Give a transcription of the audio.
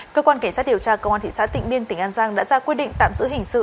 cơ quan cảnh sát điều tra công an thị xã tịnh biên tỉnh an giang đã ra quyết định tạm giữ hình sự